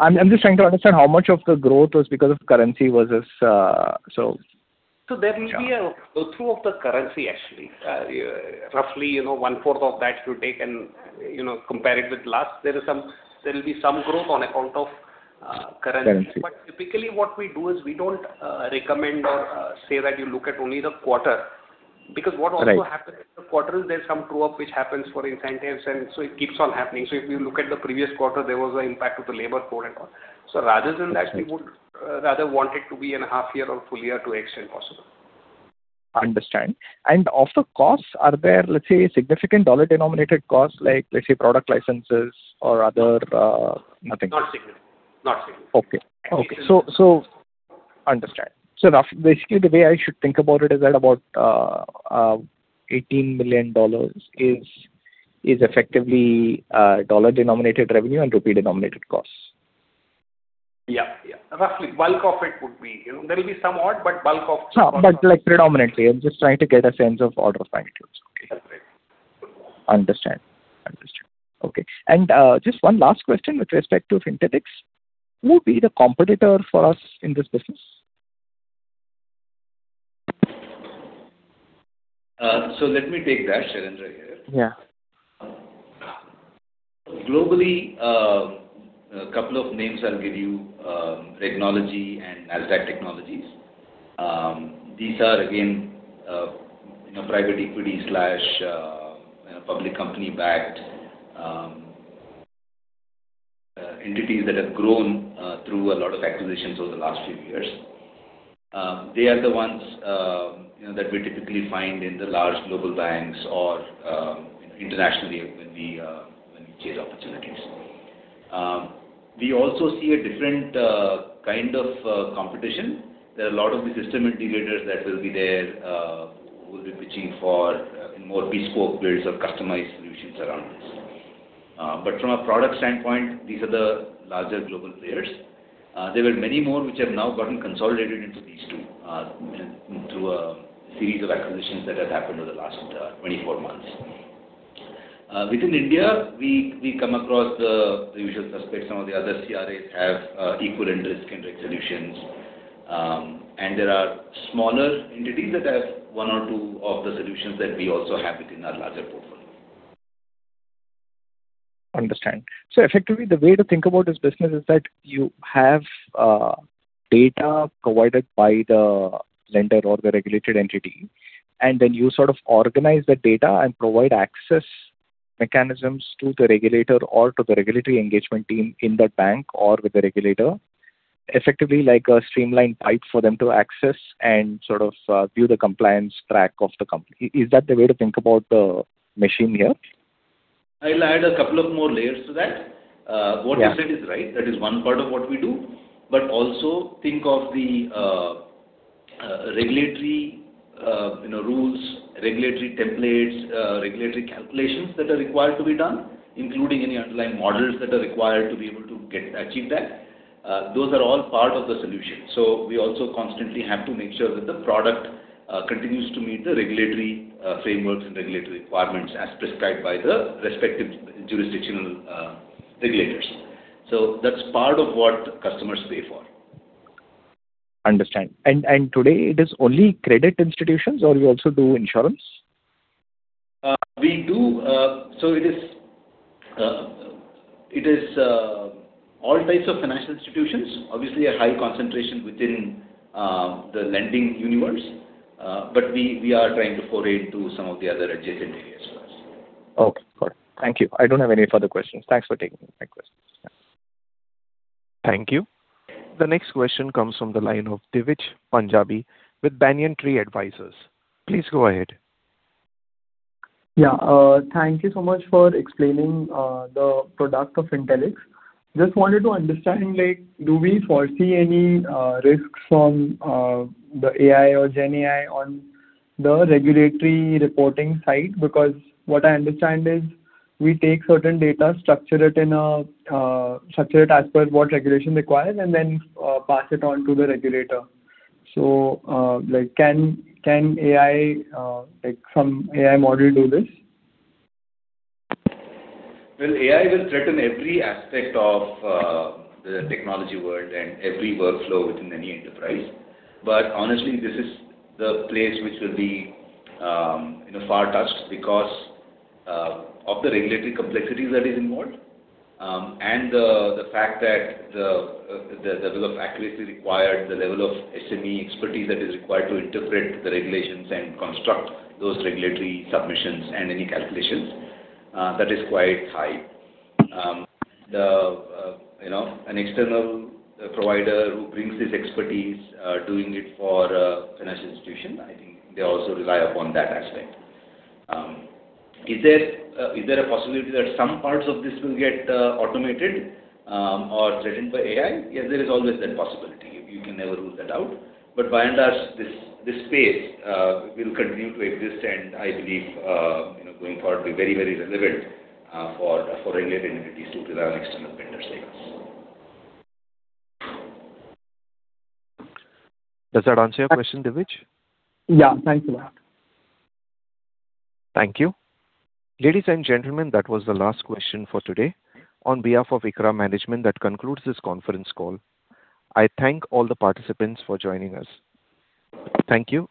S13: I'm just trying to understand how much of the growth was because of currency versus.
S6: There will be a flow-through of the currency, actually. Roughly, 1/4 of that if you take and compare it with last, there will be some growth on account of currency.
S13: Currency.
S6: Typically what we do is we don't recommend or say that you look at only the quarter, because what also happens-
S13: Right.
S6: ...in the quarter is there's some true-up which happens for incentives. It keeps on happening. If you look at the previous quarter, there was an impact of the labor code and all-
S13: Exactly.
S6: ...we would rather want it to be an half-year or full year to the extent possible.
S13: Understand. Of the costs, are there, let's say, significant dollar-denominated costs, like, let's say, product licenses or other nothing?
S6: Not significant.
S13: Okay. Understand. Basically, the way I should think about it is that about $18 million is effectively dollar-denominated revenue and rupee-denominated costs.
S6: Yeah. Roughly. There will be some odd.
S13: Predominantly, I'm just trying to get a sense of order of magnitudes. Okay.
S6: That's right.
S13: Understand. Okay. Just one last question with respect to Fintellix. Who would be the competitor for us in this business?
S5: Let me take that, Shailendra here.
S13: Yeah.
S5: Globally, a couple of names I'll give you, Regnology and Aflac Technologies. These are again, private equity/public company-backed entities that have grown through a lot of acquisitions over the last few years. They are the ones that we typically find in the large global banks or internationally when we chase opportunities. We also see a different kind of competition. There are a lot of the system integrators that will be there, who will be pitching for more bespoke builds or customized solutions around this. From a product standpoint, these are the larger global players. There were many more which have now gotten consolidated into these two through a series of acquisitions that have happened over the last 24 months. Within India, we come across the usual suspects. Some of the other CRAs have equivalent risk-related solutions. There are smaller entities that have one or two of the solutions that we also have within our larger portfolio.
S13: Understand. Effectively, the way to think about this business is that you have data provided by the lender or the regulated entity, and then you sort of organize the data and provide access mechanisms to the regulator or to the regulatory engagement team in the bank or with the regulator, effectively like a streamlined pipe for them to access and sort of view the compliance track of the company. Is that the way to think about the machine here?
S5: I'll add a couple of more layers to that. What you said is right. That is one part of what we do. Also think of the regulatory rules, regulatory templates, regulatory calculations that are required to be done, including any underlying models that are required to be able to achieve that. Those are all part of the solution. We also constantly have to make sure that the product continues to meet the regulatory frameworks and regulatory requirements as prescribed by the respective jurisdictional regulators. That's part of what customers pay for.
S13: Understand. Today it is only credit institutions, or you also do insurance?
S5: We do. It is all types of financial institutions. Obviously, a high concentration within the lending universe. We are trying to foray into some of the other adjacent areas as well.
S13: Okay, got it. Thank you. I don't have any further questions. Thanks for taking my questions.
S1: Thank you. The next question comes from the line of Divij Punjabi with Banyan Tree Advisors. Please go ahead.
S3: Yeah. Thank you so much for explaining the product of Fintellix. Just wanted to understand, do we foresee any risks from the AI or GenAI on the regulatory reporting side? Because what I understand is we take certain data, structure it as per what regulation requires, and then pass it on to the regulator. Can some AI model do this?
S5: AI has threatened every aspect of the technology world and every workflow within any enterprise. Honestly, this is the place which will be far-fetched because of the regulatory complexity that is involved and the fact that the level of accuracy required, the level of SME expertise that is required to interpret the regulations and construct those regulatory submissions and any calculations, that is quite high. An external provider who brings this expertise doing it for a financial institution, I think they also rely upon that aspect. Is there a possibility that some parts of this will get automated or threatened by AI? Yes, there is always that possibility. You can never rule that out. By and large, this space will continue to exist and I believe, going forward, be very relevant for regulated entities who rely on external vendors like us.
S1: Does that answer your question, Divij?
S3: Yeah. Thank you.
S1: Thank you. Ladies and gentlemen, that was the last question for today. On behalf of ICRA Management, that concludes this conference call. I thank all the participants for joining us. Thank you.